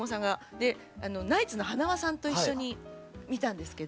でナイツの塙さんと一緒に見たんですけど。